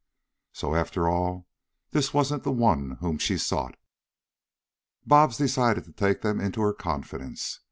So, after all, this wasn't the one whom she sought. Bobs decided to take them into her confidence.